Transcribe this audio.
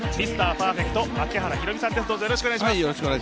パーフェクト槙原寛己さんです。